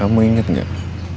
kamu inget gak